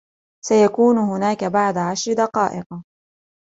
سيكون هناك بعد عشر دقائق.